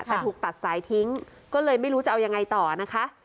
แต่ถูกตัดสายทิ้งก็เลยไม่รู้จะเอายังไงต่อนะคะ